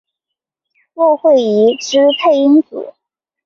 骆慧怡之配音组。